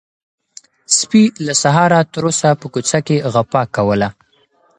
سپي له سهاره تر اوسه په کوڅه کې غپا کوله.